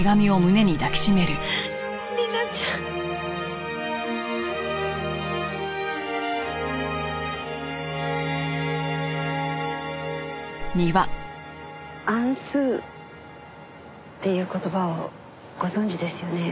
里奈ちゃん。暗数っていう言葉をご存じですよね。